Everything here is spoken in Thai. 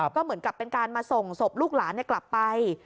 ก็เหมือนกับเป็นการมาส่งศพลูกหลานกลับไป